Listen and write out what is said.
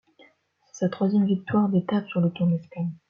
C'est sa troisième victoire d'étape sur le Tour d'Espagne.